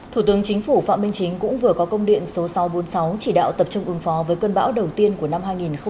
thủ tướng chính phủ phạm minh chính cũng vừa có công điện số sáu trăm bốn mươi sáu chỉ đạo tập trung ứng phó với cơn bão đầu tiên của năm hai nghìn hai mươi